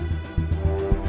aku mau cari riki